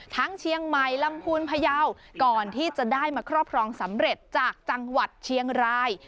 เชียงใหม่ลำพูนพยาวก่อนที่จะได้มาครอบครองสำเร็จจากจังหวัดเชียงราย